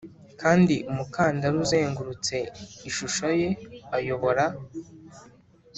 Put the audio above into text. kandi umukandara uzengurutse ishusho ye ayobora